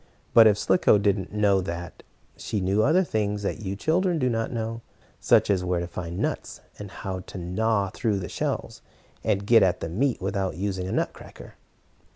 But, if Slicko did not know that, she knew other things that you children do not know, such as where to find nuts, and how to gnaw through the shells, and get at the meat without using a nut cracker.